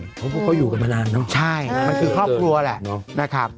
เพราะพวกเขาอยู่กันมานานเนอะใช่มันคือครอบครัวแหละนะครับ